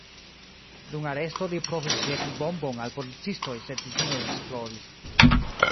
Dum aresto li provis ĵeti bombon al policistoj, sed ĝi ne eksplodis.